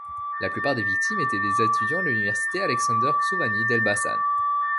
La plupart des victimes étaient des étudiants de l'université Aleksandër Xhuvani d'Elbasan.